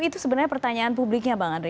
itu sebenarnya pertanyaan publiknya